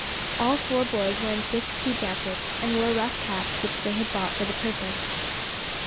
All four boys were in thick pea jackets, and wore rough caps which they had bought for the purpose.